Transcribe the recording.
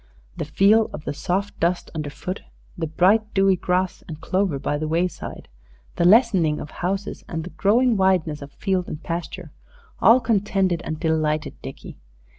The feel of the soft dust underfoot, the bright, dewy grass and clover by the wayside, the lessening of houses and the growing wideness of field and pasture, all contented and delighted Dickie.